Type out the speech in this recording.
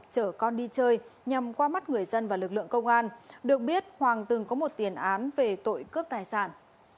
chở con đi chơi nhằm qua mắt người dân và lực lượng công an được biết hoàng từng có một tiền án về tội cướp tài sản